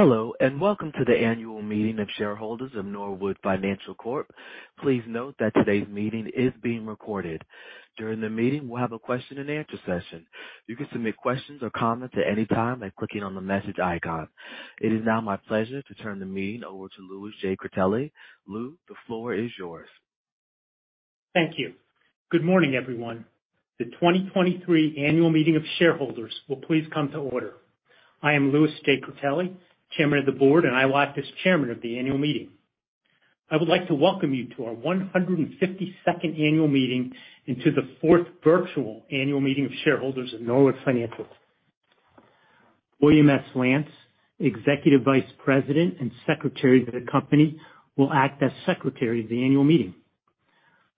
Hello. Welcome to the Annual Meeting of Shareholders of Norwood Financial Corp. Please note that today's meeting is being recorded. During the meeting, we'll have a question and answer session. You can submit questions or comments at any time by clicking on the message icon. It is now my pleasure to turn the meeting over to Lewis J. Critelli. Lew, the floor is yours. Thank you. Good morning, everyone. The 2023 Annual Meeting of Shareholders will please come to order. I am Lewis J. Critelli, Chairman of the Board, and I will act as Chairman of the annual meeting. I would like to welcome you to our 152nd Annual Meeting and to the 4th Virtual Annual Meeting of Shareholders of Norwood Financial. William S. Lance, Executive Vice President and Secretary of the company, will act as secretary of the annual meeting.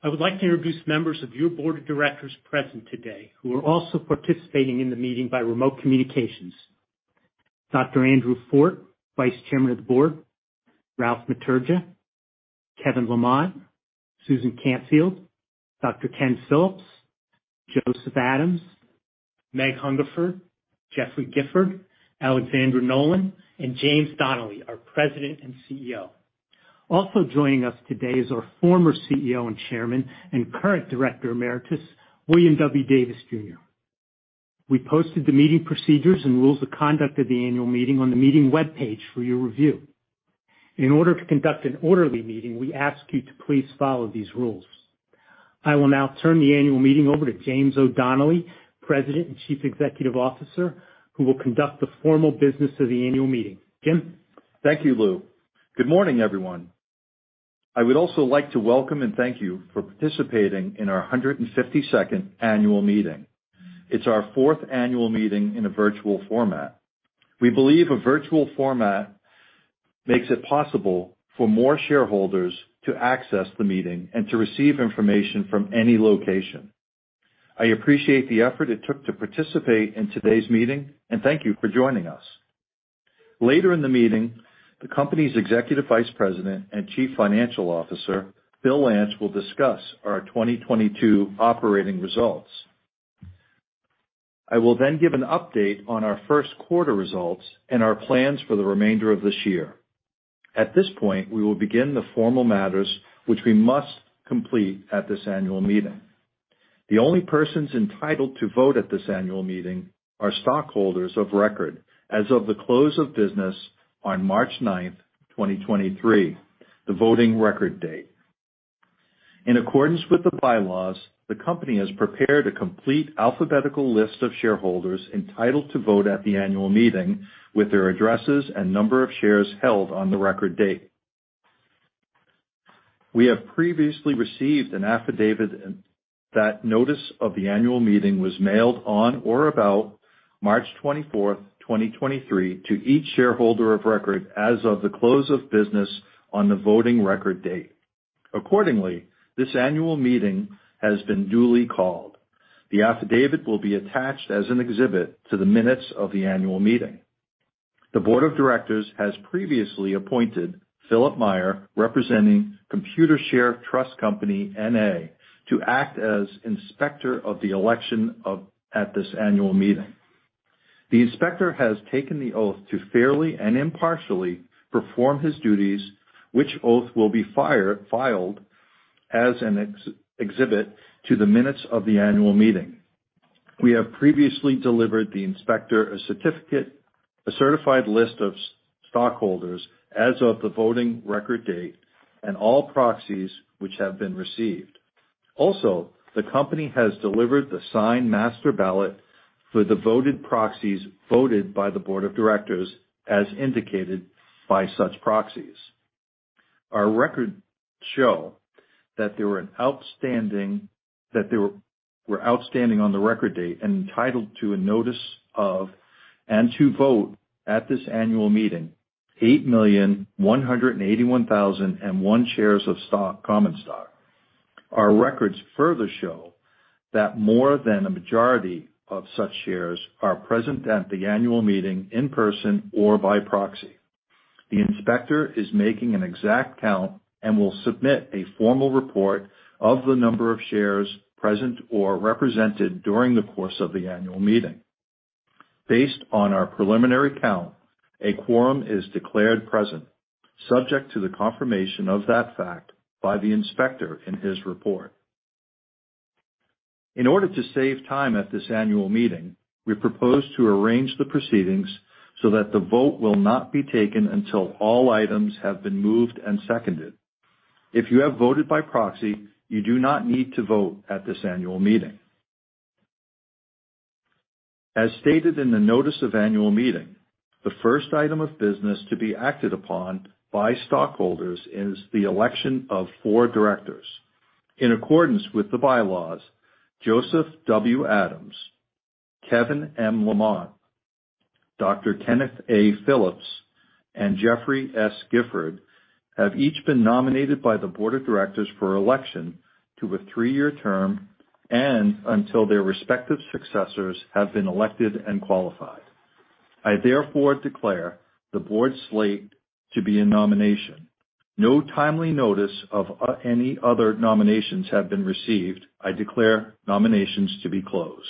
I would like to introduce members of your Board of Directors present today who are also participating in the meeting by remote communications. Dr. Andrew A. Forte, Vice Chairman of the Board. Ralph A. Matergia, Kevin M. Lamont, Susan Campfield, Dr. Kenneth A. Phillips, Joseph Adams, Meg L. Hungerford, Jeffrey S. Gifford, Alexandra K. Nolan, and James O. Donnelly, our President and CEO. Also joining us today is our former CEO and chairman and current Director Emeritus, William W. Davis, Jr. We posted the meeting procedures and rules of conduct of the annual meeting on the meeting webpage for your review. In order to conduct an orderly meeting, we ask you to please follow these rules. I will now turn the annual meeting over to James O. Donnelly, President and Chief Executive Officer, who will conduct the formal business of the annual meeting. Jim. Thank you, Lew. Good morning, everyone. I would also like to welcome and thank you for participating in our 152nd Annual Meeting. It's our fourth annual meeting in a virtual format. We believe a virtual format makes it possible for more shareholders to access the meeting and to receive information from any location. I appreciate the effort it took to participate in today's meeting, and thank you for joining us. Later in the meeting, the company's Executive Vice President and Chief Financial Officer, Will Lance, will discuss our 2022 operating results. I will give an update on our first quarter results and our plans for the remainder of this year. At this point, we will begin the formal matters which we must complete at this annual meeting. The only persons entitled to vote at this annual meeting are stockholders of record as of the close of business on March 9, 2023, the voting record date. In accordance with the bylaws, the company has prepared a complete alphabetical list of shareholders entitled to vote at the annual meeting with their addresses and number of shares held on the record date. We have previously received an affidavit that notice of the annual meeting was mailed on or about March 24, 2023, to each shareholder of record as of the close of business on the voting record date. Accordingly, this annual meeting has been duly called. The affidavit will be attached as an exhibit to the minutes of the annual meeting. The board of directors has previously appointed Philip Meyer, representing Computershare Trust Company, N.A., to act as inspector of the election of... at this annual meeting. The inspector has taken the oath to fairly and impartially perform his duties, which oath will be filed as an exhibit to the minutes of the annual meeting. We have previously delivered the inspector a certified list of stockholders as of the voting record date and all proxies which have been received. The company has delivered the signed master ballot for the voted proxies voted by the board of directors as indicated by such proxies. Our records show that there were outstanding on the record date and entitled to a notice of and to vote at this annual meeting, 8,181,001 shares of stock, common stock. Our records further show that more than a majority of such shares are present at the annual meeting in person or by proxy. The inspector is making an exact count and will submit a formal report of the number of shares present or represented during the course of the annual meeting. Based on our preliminary count, a quorum is declared present, subject to the confirmation of that fact by the inspector in his report. In order to save time at this annual meeting, we propose to arrange the proceedings so that the vote will not be taken until all items have been moved and seconded. If you have voted by proxy, you do not need to vote at this annual meeting. As stated in the notice of annual meeting, the first item of business to be acted upon by stockholders is the election of four directors. In accordance with the bylaws, Joseph W. Adams, Kevin M. Lamont, Dr. Kenneth A. Phillips, and Jeffrey S. Gifford have each been nominated by the board of directors for election to a three-year term and until their respective successors have been elected and qualified. I therefore declare the board slate to be a nomination. No timely notice of any other nominations have been received. I declare nominations to be closed.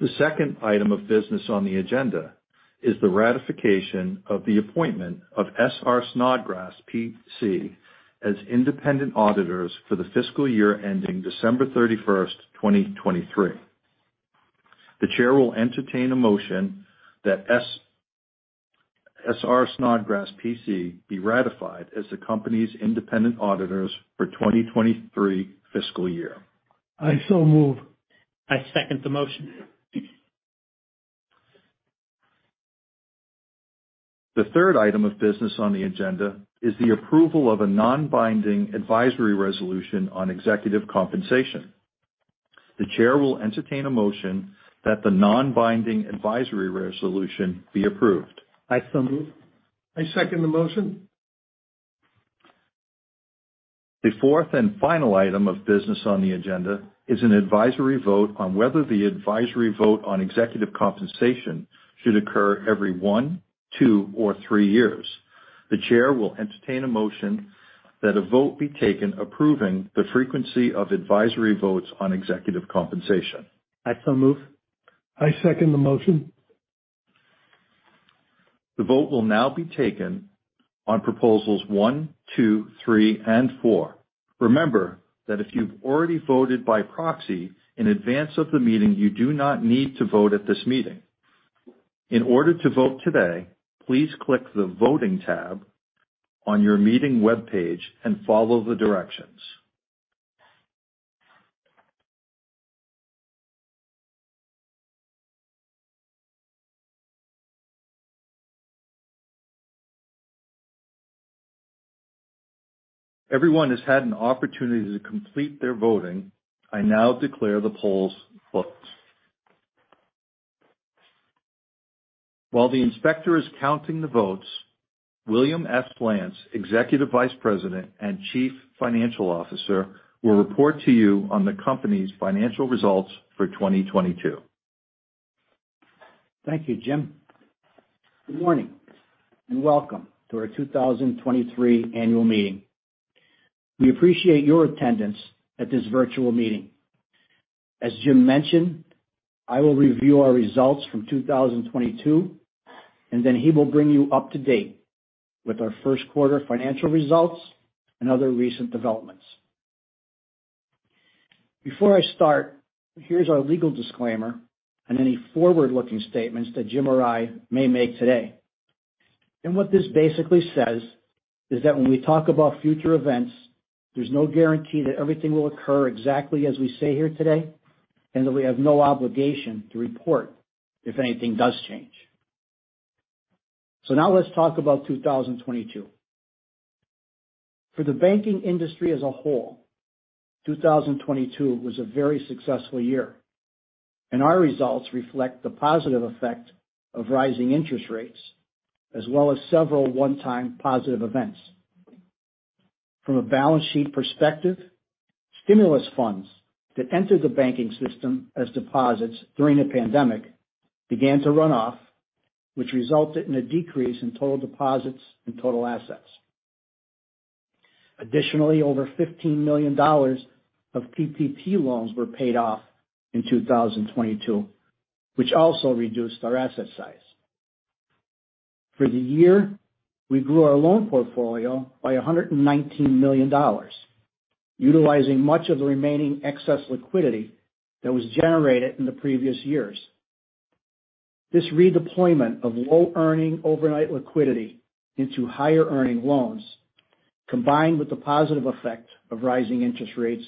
The second item of business on the agenda is the ratification of the appointment of S.R. Snodgrass, P.C. as independent auditors for the fiscal year ending December 31st, 2023. The chair will entertain a motion that S.R. Snodgrass, P.C. be ratified as the company's independent auditors for 2023 fiscal year. I so move. I second the motion. The third item of business on the agenda is the approval of a non-binding advisory resolution on executive compensation. The chair will entertain a motion that the non-binding advisory resolution be approved. I so move. I second the motion. The fourth and final item of business on the agenda is an advisory vote on whether the advisory vote on executive compensation should occur every one, two, or three years. The chair will entertain a motion that a vote be taken approving the frequency of advisory votes on executive compensation. I so move. I second the motion. The vote will now be taken on proposals one, two, three, and four. Remember that if you've already voted by proxy in advance of the meeting, you do not need to vote at this meeting. In order to vote today, please click the Voting tab on your meeting webpage and follow the directions. Everyone has had an opportunity to complete their voting. I now declare the polls closed. While the inspector is counting the votes, William S. Lance, Executive Vice President and Chief Financial Officer, will report to you on the company's financial results for 2022. Thank you, Jim. Good morning, welcome to our 2023 Annual Meeting. We appreciate your attendance at this virtual meeting. As Jim mentioned, I will review our results from 2022, and then he will bring you up to date with our first quarter financial results and other recent developments. Before I start, here's our legal disclaimer on any forward-looking statements that Jim or I may make today. What this basically says is that when we talk about future events, there's no guarantee that everything will occur exactly as we say here today, and that we have no obligation to report if anything does change. Now let's talk about 2022. For the banking industry as a whole, 2022 was a very successful year, and our results reflect the positive effect of rising interest rates, as well as several one-time positive events. From a balance sheet perspective, stimulus funds that entered the banking system as deposits during the pandemic began to run off, which resulted in a decrease in total deposits and total assets. Additionally, over $15 million of PPP loans were paid off in 2022, which also reduced our asset size. For the year, we grew our loan portfolio by $119 million, utilizing much of the remaining excess liquidity that was generated in the previous years. This redeployment of low-earning overnight liquidity into higher-earning loans, combined with the positive effect of rising interest rates,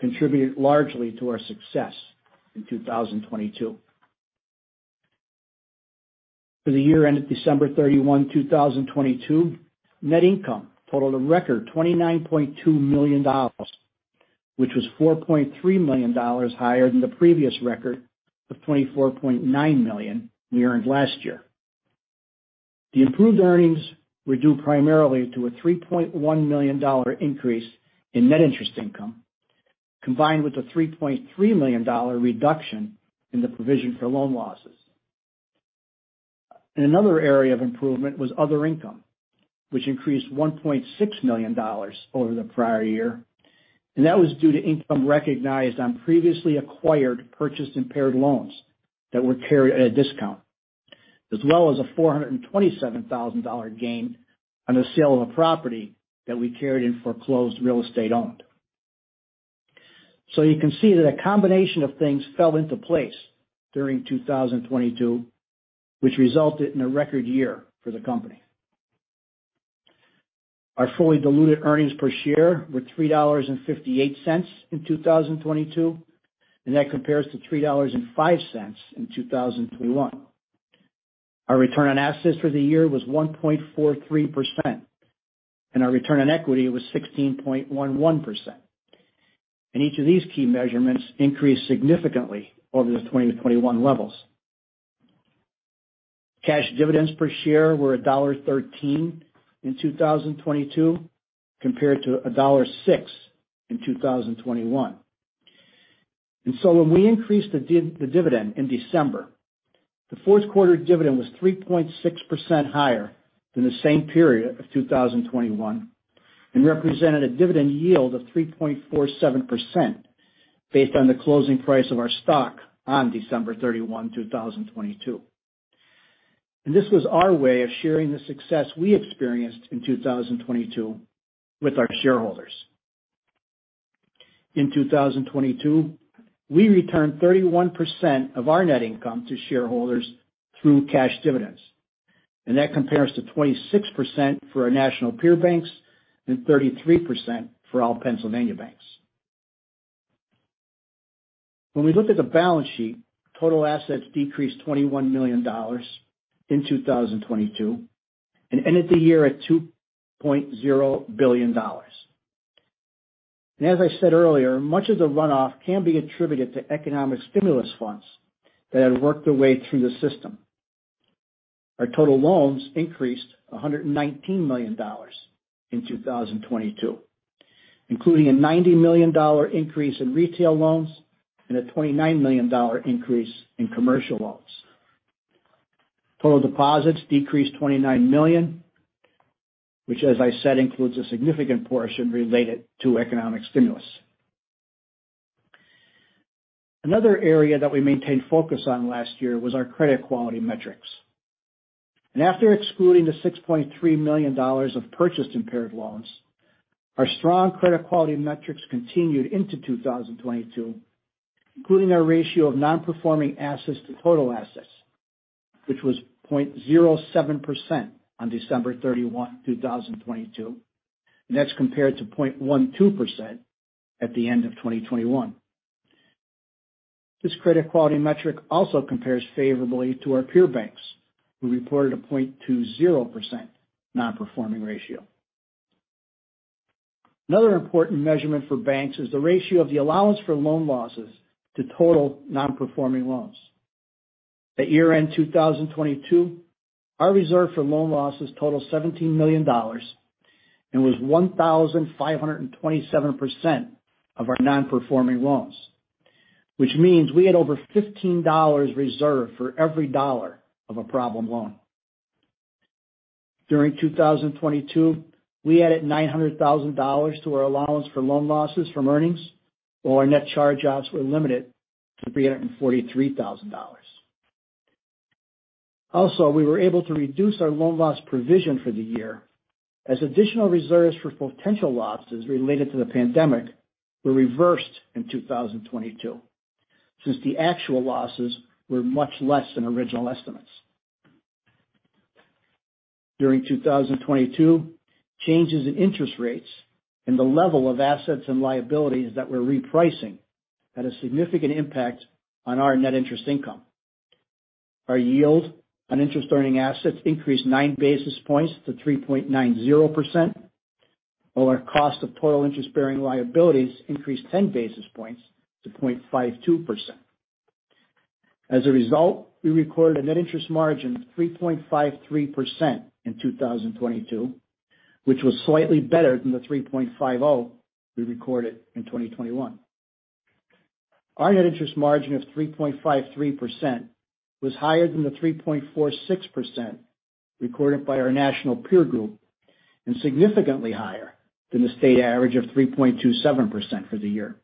contributed largely to our success in 2022. For the year ended December 31, 2022, net income totaled a record $29.2 million, which was $4.3 million higher than the previous record of $24.9 million we earned last year. The improved earnings were due primarily to a $3.1 million increase in net interest income, combined with a $3.3 million reduction in the provision for loan losses. Another area of improvement was other income, which increased $1.6 million over the prior year, and that was due to income recognized on previously acquired purchased impaired loans that were carried at a discount, as well as a $427,000 gain on the sale of a property that we carried in foreclosed real estate owned. You can see that a combination of things fell into place during 2022, which resulted in a record year for the company. Our fully diluted earnings per share were $3.58 in 2022, and that compares to $3.05 in 2021. Our return on assets for the year was 1.43%, and our return on equity was 16.11%. Each of these key measurements increased significantly over the 2020-2021 levels. Cash dividends per share were $1.13 in 2022, compared to $1.06 in 2021. When we increased the dividend in December. The fourth quarter dividend was 3.6% higher than the same period of 2021 and represented a dividend yield of 3.47% based on the closing price of our stock on December 31, 2022. This was our way of sharing the success we experienced in 2022 with our shareholders. In 2022, we returned 31% of our net income to shareholders through cash dividends, and that compares to 26% for our national peer banks and 33% for all Pennsylvania banks. When we look at the balance sheet, total assets decreased $21 million in 2022 and ended the year at $2.0 billion. As I said earlier, much of the runoff can be attributed to economic stimulus funds that have worked their way through the system. Our total loans increased $119 million in 2022, including a $90 million increase in retail loans and a $29 million increase in commercial loans. Total deposits decreased $29 million, which as I said, includes a significant portion related to economic stimulus. Another area that we maintained focus on last year was our credit quality metrics. After excluding the $6.3 million of purchased impaired loans, our strong credit quality metrics continued into 2022, including our ratio of non-performing assets to total assets, which was 0.07% on December 31, 2022. That's compared to 0.12% at the end of 2021. This credit quality metric also compares favorably to our peer banks, who reported a 0.20% non-performing ratio. Another important measurement for banks is the ratio of the allowance for loan losses to total non-performing loans. At year-end 2022, our reserve for loan losses totaled $17 million and was 1,527% of our non-performing loans, which means we had over $15 reserved for every dollar of a problem loan. During 2022, we added $900,000 to our allowance for loan losses from earnings, while our net charge-offs were limited to $343,000. We were able to reduce our loan loss provision for the year as additional reserves for potential losses related to the pandemic were reversed in 2022, since the actual losses were much less than original estimates. During 2022, changes in interest rates and the level of assets and liabilities that we're repricing had a significant impact on our net interest income. Our yield on interest earning assets increased nine basis points to 3.90%, while our cost of total interest-bearing liabilities increased 10 basis points to 0.52%. Result, we recorded a net interest margin of 3.53% in 2022, which was slightly better than the 3.50% we recorded in 2021. Our net interest margin of 3.53% was higher than the 3.46% recorded by our national peer group and significantly higher than the state average of 3.27% for the year.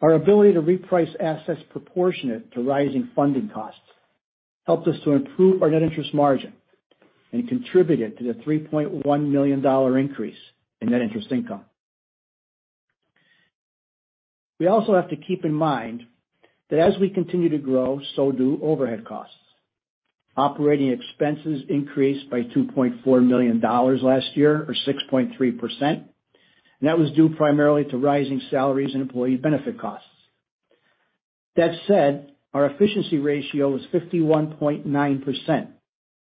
Our ability to reprice assets proportionate to rising funding costs helped us to improve our net interest margin and contributed to the $3.1 million increase in net interest income. We also have to keep in mind that as we continue to grow, so do overhead costs. Operating expenses increased by $2.4 million last year or 6.3%, that was due primarily to rising salaries and employee benefit costs. That said, our efficiency ratio was 51.9%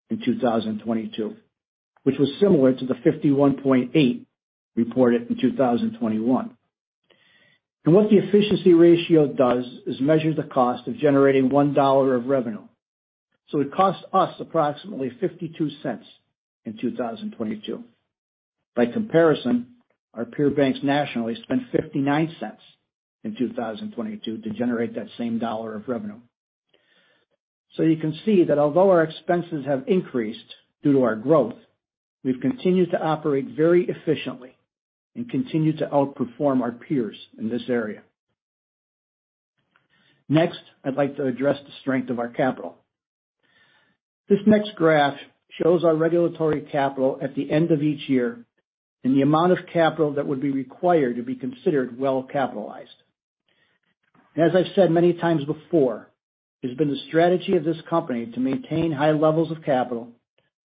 in 2022, which was similar to the 51.8% reported in 2021. What the efficiency ratio does is measure the cost of generating $1 of revenue. It costs us approximately $0.52 in 2022. By comparison, our peer banks nationally spent $0.59 in 2022 to generate that same $1 of revenue. You can see that although our expenses have increased due to our growth, we've continued to operate very efficiently and continue to outperform our peers in this area. Next, I'd like to address the strength of our capital. This next graph shows our regulatory capital at the end of each year and the amount of capital that would be required to be considered well-capitalized. As I've said many times before, it's been the strategy of this company to maintain high levels of capital,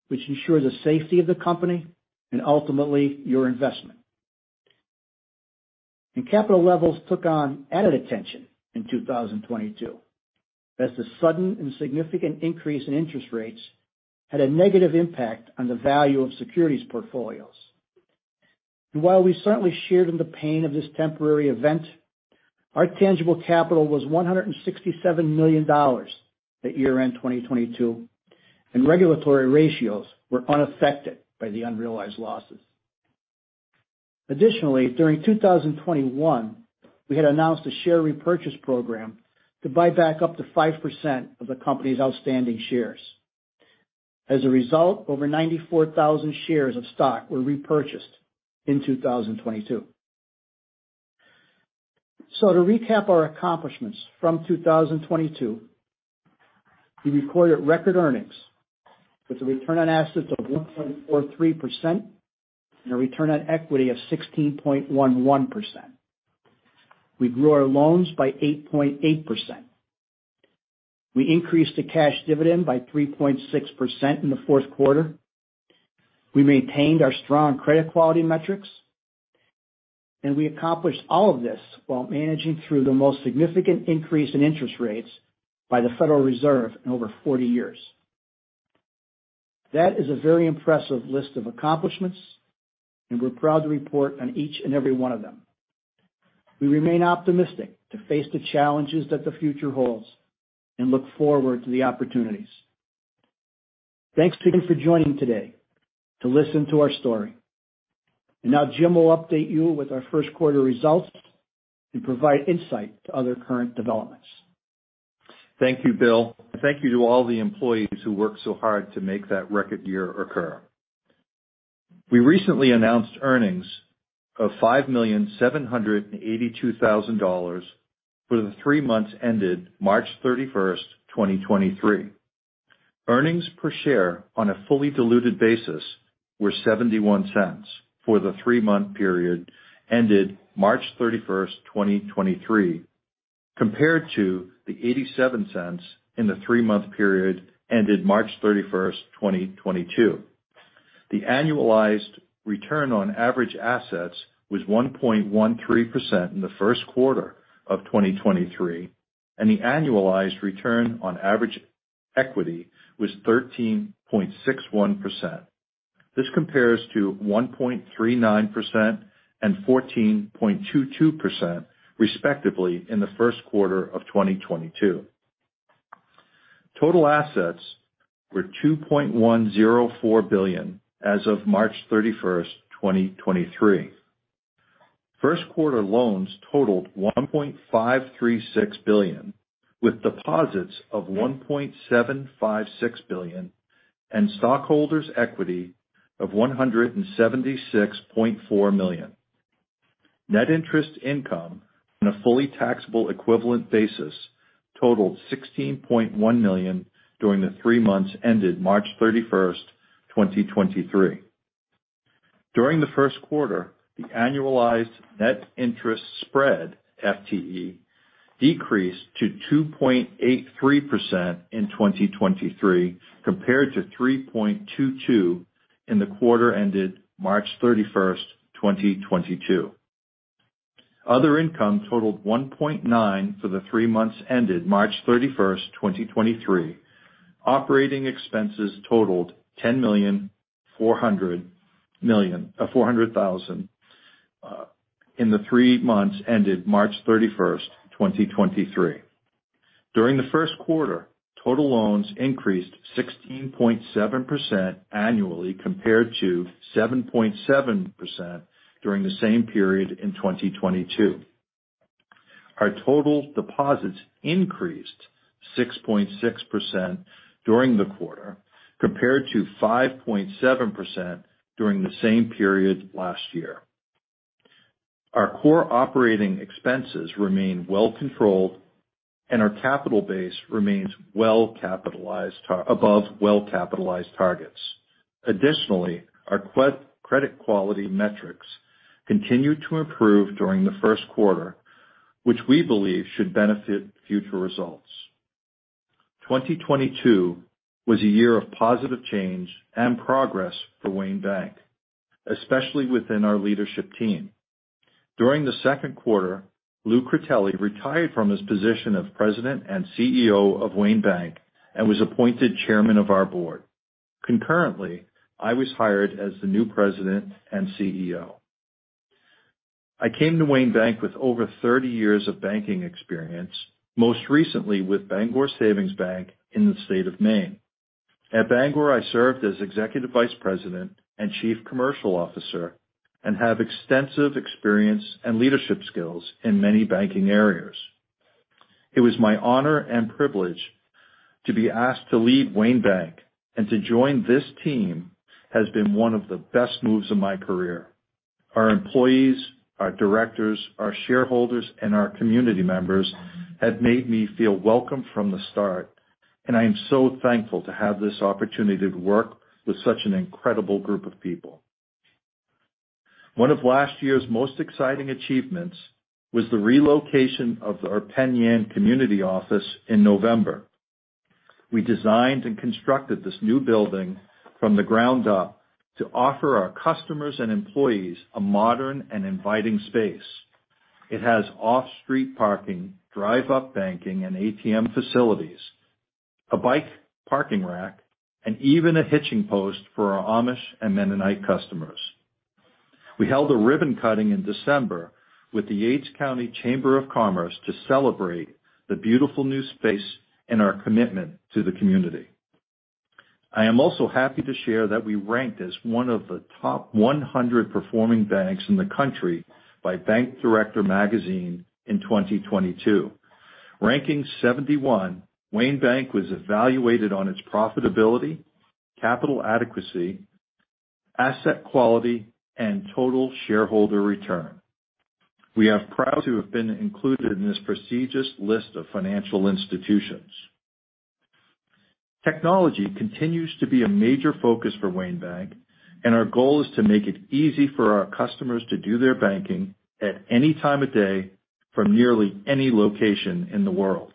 which ensures the safety of the company and ultimately your investment. Capital levels took on added attention in 2022, as the sudden and significant increase in interest rates had a negative impact on the value of securities portfolios. While we certainly shared in the pain of this temporary event, our tangible capital was $167 million at year-end 2022, and regulatory ratios were unaffected by the unrealized losses. Additionally, during 2021, we had announced a share repurchase program to buy back up to 5% of the company's outstanding shares. As a result, over 94,000 shares of stock were repurchased in 2022. To recap our accomplishments from 2022, we recorded record earnings with a return on assets of 1.43% and a return on equity of 16.11%. We grew our loans by 8.8%. We increased the cash dividend by 3.6% in the fourth quarter. We maintained our strong credit quality metrics. We accomplished all of this while managing through the most significant increase in interest rates by the Federal Reserve in over 40 years. That is a very impressive list of accomplishments. We're proud to report on each and every one of them. We remain optimistic to face the challenges that the future holds and look forward to the opportunities. Thanks to you for joining today to listen to our story. Now Jim will update you with our first quarter results and provide insight to other current developments. Thank you, Will. Thank you to all the employees who worked so hard to make that record year occur. We recently announced earnings of $5.782 million for the three months ended March 31, 2023. Earnings per share on a fully diluted basis were $0.71 for the three month period ended March 31, 2023, compared to the $0.87 in the three month period ended March 31, 2022. The annualized return on average assets was 1.13% in the first quarter of 2023, and the annualized return on average equity was 13.61%. This compares to 1.39% and 14.22% respectively in the first quarter of 2022. Total assets were $2.104 billion as of March 31, 2023. First quarter loans totaled $1.536 billion, with deposits of $1.756 billion and stockholders' equity of $176.4 million. Net interest income on a fully taxable equivalent basis totaled $16.1 million during the three months ended March 31, 2023. During the first quarter, the annualized net interest spread, FTE, decreased to 2.83% in 2023 compared to 3.22% in the quarter ended March 31, 2022. Other income totaled $1.9 million for the three months ended March 31, 2023. Operating expenses totaled $10.4 million in the three months ended March 31, 2023. During the first quarter, total loans increased 16.7% annually compared to 7.7% during the same period in 2022. Our total deposits increased 6.6% during the quarter, compared to 5.7% during the same period last year. Our core operating expenses remain well controlled and our capital base remains well-capitalized above well-capitalized targets. Our credit quality metrics continued to improve during the first quarter, which we believe should benefit future results. 2022 was a year of positive change and progress for Wayne Bank, especially within our leadership team. During the second quarter, Lew Critelli retired from his position of President and CEO of Wayne Bank and was appointed Chairman of our board. I was hired as the new President and CEO. I came to Wayne Bank with over 30 years of banking experience, most recently with Bangor Savings Bank in the state of Maine. At Bangor, I served as Executive Vice President and Chief Commercial Officer and have extensive experience and leadership skills in many banking areas. It was my honor and privilege to be asked to lead Wayne Bank and to join this team has been one of the best moves of my career. Our employees, our directors, our shareholders, and our community members have made me feel welcome from the start, and I am so thankful to have this opportunity to work with such an incredible group of people. One of last year's most exciting achievements was the relocation of our Penn Yan community office in November. We designed and constructed this new building from the ground up to offer our customers and employees a modern and inviting space. It has off-street parking, drive-up banking, and ATM facilities, a bike parking rack, and even a hitching post for our Amish and Mennonite customers. We held a ribbon cutting in December with the Yates County Chamber of Commerce to celebrate the beautiful new space and our commitment to the community. I am also happy to share that we ranked as one of the top 100 performing banks in the country by Bank Director magazine in 2022. Ranking 71, Wayne Bank was evaluated on its profitability, capital adequacy, asset quality, and total shareholder return. We are proud to have been included in this prestigious list of financial institutions. Technology continues to be a major focus for Wayne Bank, and our goal is to make it easy for our customers to do their banking at any time of day from nearly any location in the world.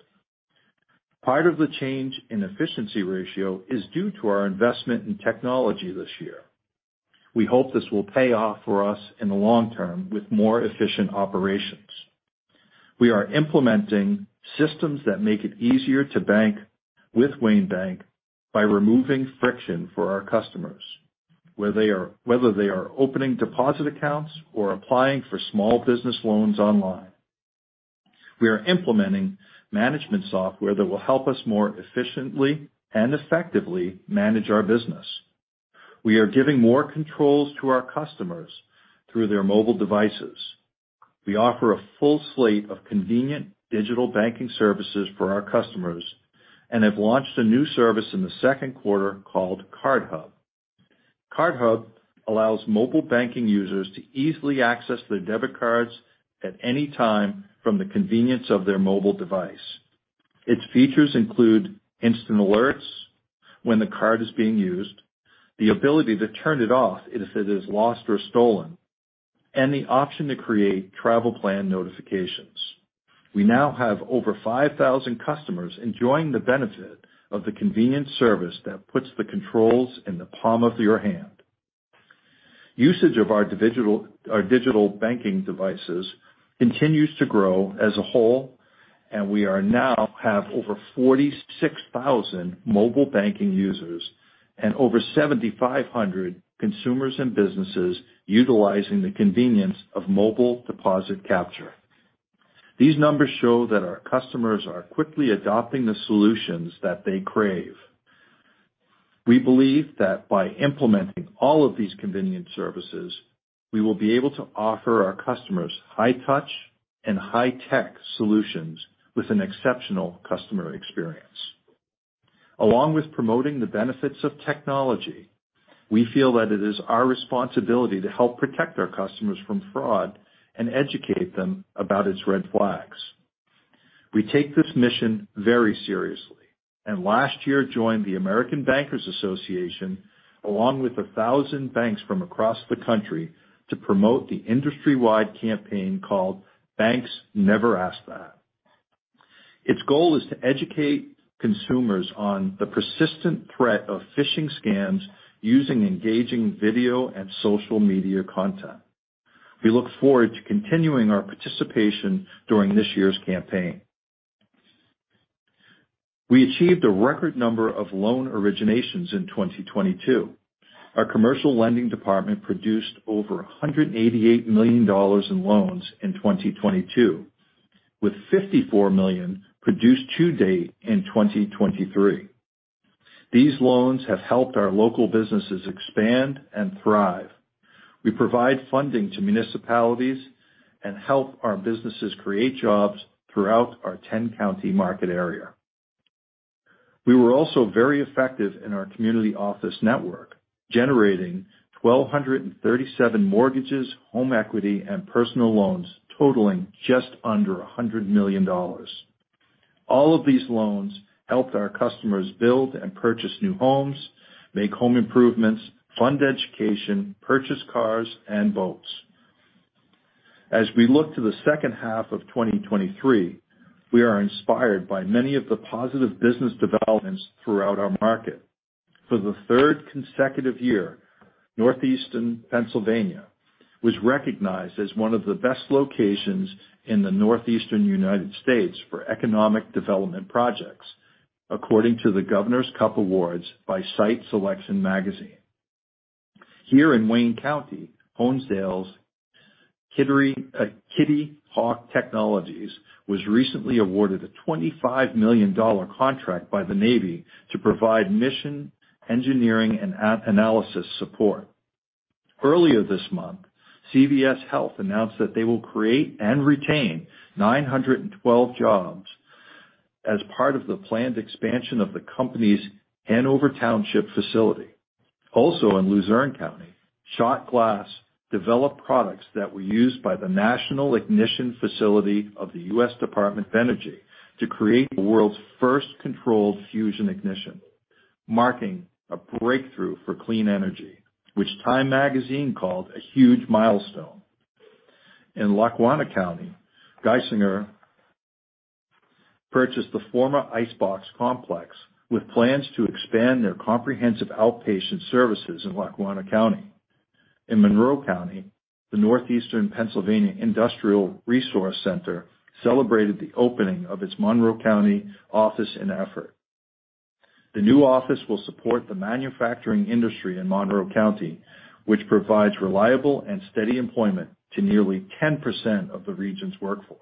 Part of the change in efficiency ratio is due to our investment in technology this year. We hope this will pay off for us in the long term with more efficient operations. We are implementing systems that make it easier to bank with Wayne Bank by removing friction for our customers, where they are, whether they are opening deposit accounts or applying for small business loans online. We are implementing management software that will help us more efficiently and effectively manage our business. We are giving more controls to our customers through their mobile devices. We offer a full slate of convenient digital banking services for our customers and have launched a new service in the second quarter called Cardhub. Cardhub allows mobile banking users to easily access their debit cards at any time from the convenience of their mobile device. Its features include instant alerts when the card is being used, the ability to turn it off if it is lost or stolen, and the option to create travel plan notifications. We now have over 5,000 customers enjoying the benefit of the convenient service that puts the controls in the palm of your hand. Usage of our digital banking devices continues to grow as a whole, We are now have over 46,000 mobile banking users and over 7,500 consumers and businesses utilizing the convenience of mobile deposit capture. These numbers show that our customers are quickly adopting the solutions that they crave. We believe that by implementing all of these convenient services, we will be able to offer our customers high touch and high tech solutions with an exceptional customer experience. Along with promoting the benefits of technology, we feel that it is our responsibility to help protect our customers from fraud and educate them about its red flags. We take this mission very seriously, and last year joined the American Bankers Association, along with 1,000 banks from across the country, to promote the industry-wide campaign called Banks Never Ask That. Its goal is to educate consumers on the persistent threat of phishing scams using engaging video and social media content. We look forward to continuing our participation during this year's campaign. We achieved a record number of loan originations in 2022. Our commercial lending department produced over $188 million in loans in 2022, with $54 million produced to date in 2023. These loans have helped our local businesses expand and thrive. We provide funding to municipalities and help our businesses create jobs throughout our 10-county market area. We were also very effective in our community office network, generating 1,237 mortgages, home equity, and personal loans totaling just under $100 million. All of these loans helped our customers build and purchase new homes, make home improvements, fund education, purchase cars and boats. As we look to the second half of 2023, we are inspired by many of the positive business developments throughout our market. For the third consecutive year, Northeastern Pennsylvania was recognized as one of the best locations in the Northeastern United States for economic development projects, according to the Governor's Cup Awards by Site Selection magazine. Here in Wayne County, home sales, Kitty Hawk Technologies, was recently awarded a $25 million contract by the Navy to provide mission, engineering, and analysis support. Earlier this month, CVS Health announced that they will create and retain 912 jobs as part of the planned expansion of the company's Hanover Township facility. Also in Luzerne County, Shot Glass developed products that were used by the National Ignition Facility of the U.S. Department of Energy to create the world's first controlled fusion ignition, marking a breakthrough for clean energy, which Time Magazine called a huge milestone. In Lackawanna County, Geisinger purchased the former Ice Box complex with plans to expand their comprehensive outpatient services in Lackawanna County. In Monroe County, the Northeastern Pennsylvania Industrial Resource Center celebrated the opening of its Monroe County office in Effort. The new office will support the manufacturing industry in Monroe County, which provides reliable and steady employment to nearly 10% of the region's workforce.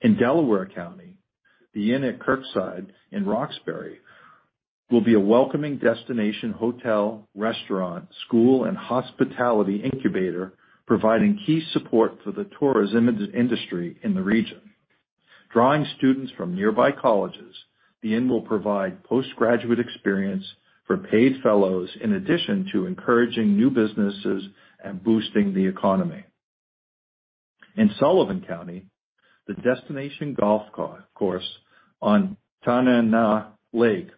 In Delaware County, The Inn at Kirkside in Roxbury will be a welcoming destination hotel, restaurant, school, and hospitality incubator, providing key support to the tourism industry in the region. Drawing students from nearby colleges, the inn will provide postgraduate experience for paid fellows in addition to encouraging new businesses and boosting the economy. In Sullivan County, the destination golf course on Tennanah Lake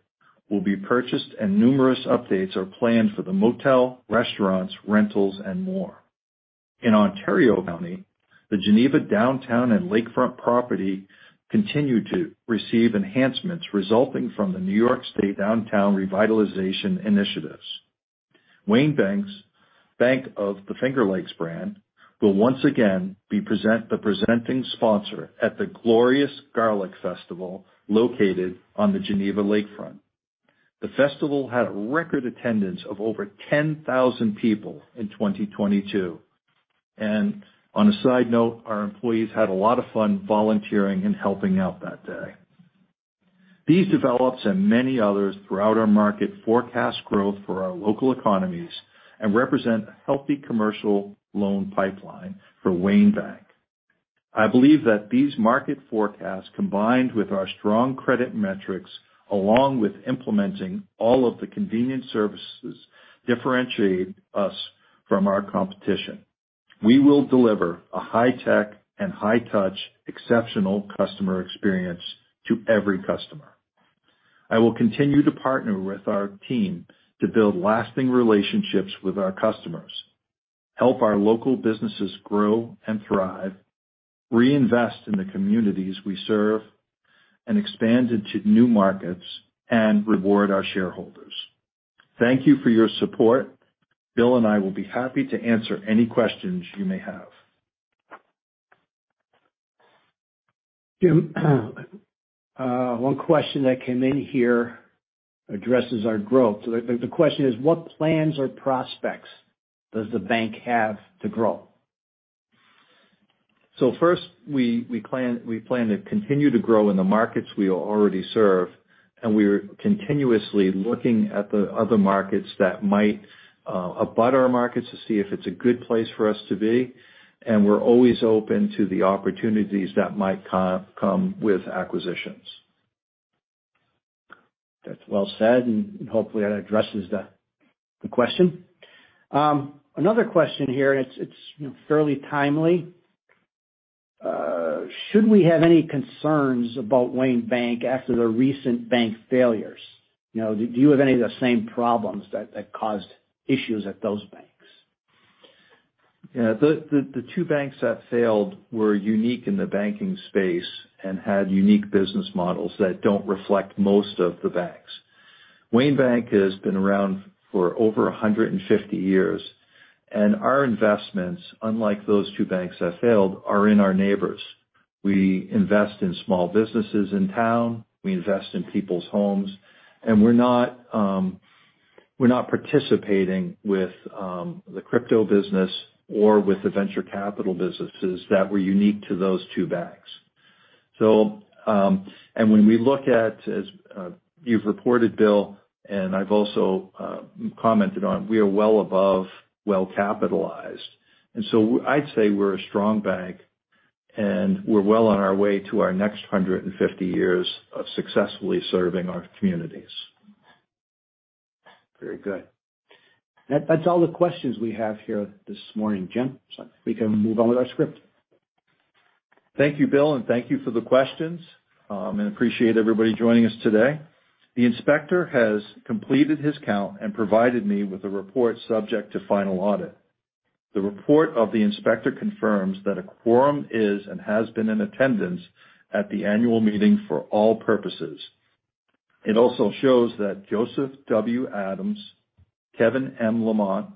will be purchased, and numerous updates are planned for the motel, restaurants, rentals, and more. In Ontario County, the Geneva downtown and lakefront property continue to receive enhancements resulting from the New York State downtown revitalization initiatives. Wayne Bank's Bank of the Finger Lakes brand will once again be the presenting sponsor at the Glorious Garlic Festival located on the Geneva Lakefront. The festival had a record attendance of over 10,000 people in 2022. On a side note, our employees had a lot of fun volunteering and helping out that day. These develops and many others throughout our market forecast growth for our local economies and represent a healthy commercial loan pipeline for Wayne Bank. I believe that these market forecasts, combined with our strong credit metrics along with implementing all of the convenient services, differentiate us from our competition. We will deliver a high-tech and high-touch exceptional customer experience to every customer. I will continue to partner with our team to build lasting relationships with our customers, help our local businesses grow and thrive, reinvest in the communities we serve, and expand into new markets, and reward our shareholders. Thank you for your support. Will and I will be happy to answer any questions you may have. Jim, one question that came in here addresses our growth. The question is, what plans or prospects does the bank have to grow? First, we plan to continue to grow in the markets we already serve, and we're continuously looking at the other markets that might abut our markets to see if it's a good place for us to be. We're always open to the opportunities that might come with acquisitions. That's well said. Hopefully that addresses the question. Another question here, it's, you know, fairly timely. Should we have any concerns about Wayne Bank after the recent bank failures? You know, do you have any of the same problems that caused issues at those banks? Yeah. The two banks that failed were unique in the banking space and had unique business models that don't reflect most of the banks. Wayne Bank has been around for over 150 years, our investments, unlike those two banks that failed, are in our neighbors. We invest in small businesses in town. We invest in people's homes. We're not, we're not participating with the crypto business or with the venture capital businesses that were unique to those two banks. When we look at, as you've reported, Will, and I've also commented on, we are well above, well capitalized. I'd say we're a strong bank, and we're well on our way to our next 150 years of successfully serving our communities. Very good. That's all the questions we have here this morning, Jim. We can move on with our script. Thank you, Will, and thank you for the questions, and appreciate everybody joining us today. The inspector has completed his count and provided me with a report subject to final audit. The report of the inspector confirms that a quorum is and has been in attendance at the annual meeting for all purposes. It also shows that Joseph W. Adams, Kevin M. Lamont,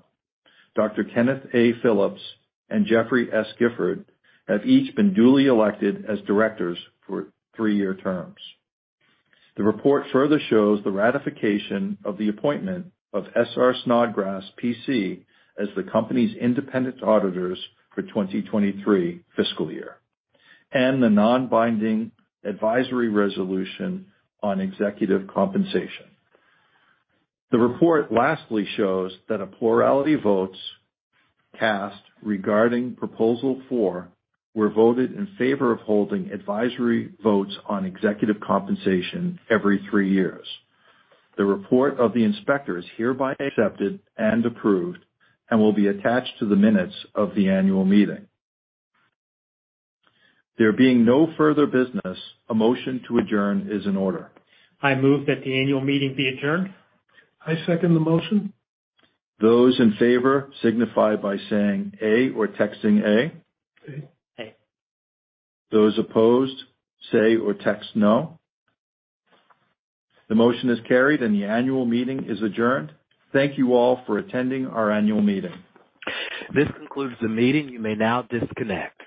Dr. Kenneth A. Phillips, and Jeffrey S. Gifford have each been duly elected as directors for three-year terms. The report further shows the ratification of the appointment of S.R. Snodgrass, P.C. as the company's independent auditors for 2023 fiscal year, and the non-binding advisory resolution on executive compensation. The report lastly shows that a plurality of votes cast regarding proposal four were voted in favor of holding advisory votes on executive compensation every three years. The report of the inspector is hereby accepted and approved and will be attached to the minutes of the annual meeting. There being no further business, a motion to adjourn is in order. I move that the annual meeting be adjourned. I second the motion. Those in favor signify by saying A or texting A. A. A. Those opposed, say or text no. The motion is carried and the annual meeting is adjourned. Thank you all for attending our annual meeting. This concludes the meeting. You may now disconnect.